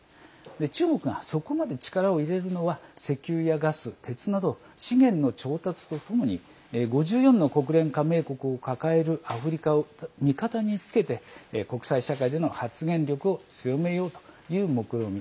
中国が、そこまで力を入れるのは石油やガス、鉄など資源の調達と５４の国連加盟国を抱えるアフリカを味方につけて国際社会での発言力を強めようというもくろみ